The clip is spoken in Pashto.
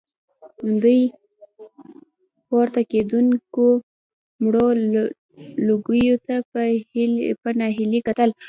دوی پورته کېدونکو مړو لوګيو ته په ناهيلۍ کتل.